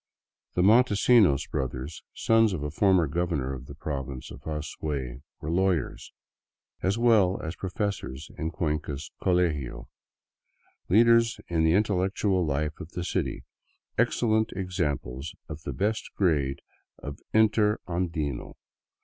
The Montesinos brothers, sons of a former governor of the Province of Azuay, were lawyers, as well as professors in Cuenca's colegio, leaders in the intellectual life of the city, excellent examples of the best grade of " interandino."